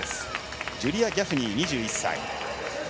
ジュリア・ギャフニー、２１歳。